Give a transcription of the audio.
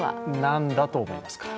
何だと思いますか？